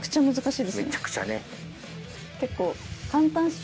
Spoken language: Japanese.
結構。